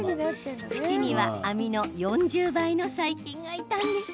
縁には網の４０倍の細菌がいたんです。